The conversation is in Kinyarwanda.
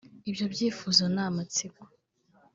Ibyo byifuzo ni amatsiko